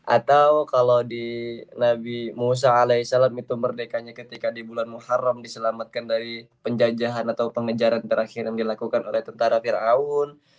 atau kalau di nabi musa alaihissalam itu merdekanya ketika di bulan muharram diselamatkan dari penjajahan atau pengejaran terakhir yang dilakukan oleh tentara fir'aun